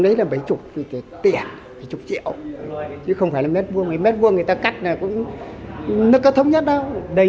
nấy là mấy chục tiền mấy chục triệu chứ không phải là mét vuông mấy mét vuông người ta cắt là nó có thống nhất đâu